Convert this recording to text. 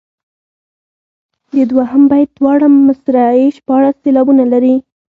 د دوهم بیت دواړه مصرعې شپاړس سېلابونه لري.